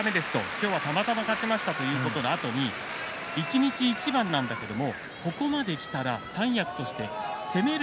今日は、たまたま勝ちましたということのあとに一日一番なんだけれどもここまできたら三役として攻める